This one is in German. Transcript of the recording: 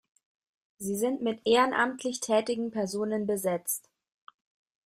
Sie sind mit ehrenamtlich tätigen Personen besetzt.